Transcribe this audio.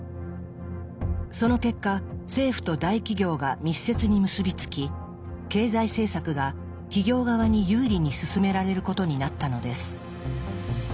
その結果政府と大企業が密接に結び付き経済政策が企業側に有利に進められることになったのです。